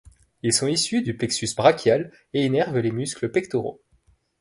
Ils sont issus du plexus brachial et innervent les muscles pectoraux.